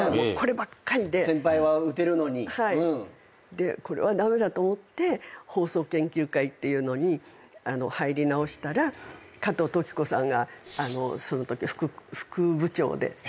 でこれは駄目だと思って放送研究会っていうのに入り直したら加藤登紀子さんがそのとき副部長でいらして。